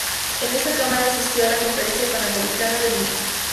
En esta cámara asistió a la conferencia panamericana de Lima.